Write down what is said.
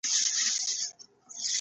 د پلار خبرې تل حقیقت لري.